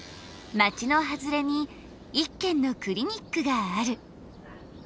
町の外れに一軒のクリニックがある。